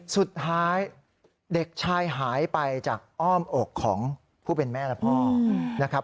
สุดท้ายเด็กชายหายไปจากอ้อมอกของผู้เป็นแม่และพ่อนะครับ